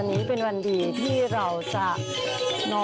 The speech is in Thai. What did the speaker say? วันนี้เป็นวันนี้เป็นวันดีที่เราจะน้องนำบทภาษาอันศักดิ์สิทธิ์นะฮะ